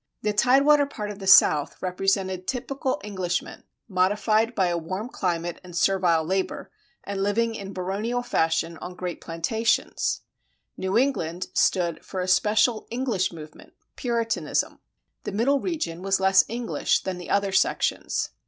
The tide water part of the South represented typical Englishmen, modified by a warm climate and servile labor, and living in baronial fashion on great plantations; New England stood for a special English movement Puritanism. The Middle region was less English than the other sections.